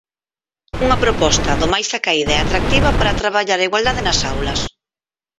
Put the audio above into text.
Unha proposta do máis acaída e atractiva para traballar a igualdade nas aulas.